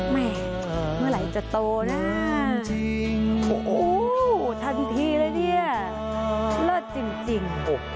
เมื่อไหร่จะโตนะโอ้โหทันทีเลยเนี่ยเลิศจริง